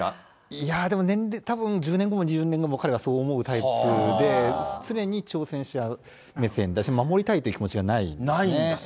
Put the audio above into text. いや、でも年齢、たぶん１０年後も２０年後も、彼はそう思うタイプで、常に挑戦者目線だし、守りたいという気持ちはないですね。